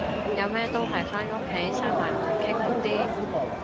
有咩都係返屋企閂埋門傾好啲